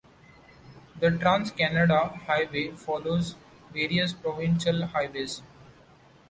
The Trans-Canada Highway follows various provincial highways.